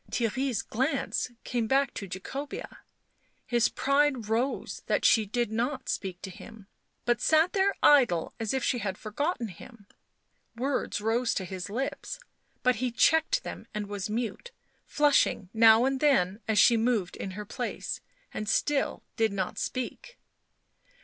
Theirry's glance came back to Jacobea; his pride rose that she did not speak to him, but sat there idle as if she had forgotten him; words rose to his lips, but he checked them and was mute, flushing now and then as she moved in her place and still did not speak.